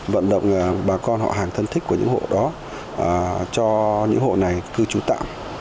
vận động bà con họ hàng thân thích của những hộ đó cho những hộ này cư trú tạm